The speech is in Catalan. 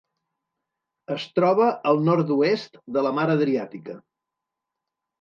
Es troba al nord-oest de la Mar Adriàtica.